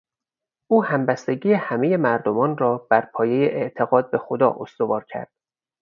او همبستگی همهی مردمان را بر پایهی اعتقاد به خدا استوار کرد.